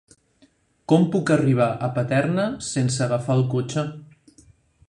Com puc arribar a Paterna sense agafar el cotxe?